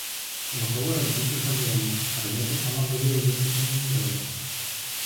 Вакол разбіты газоны, раней таксама былі высаджаны дрэвы.